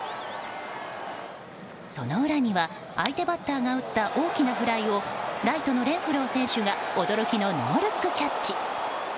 その裏には相手バッターが打った大きなフライをライトのレンフロー選手が驚きのノールックキャッチ。